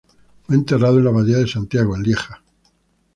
Fue enterrado en la abadía de Santiago, en Lieja.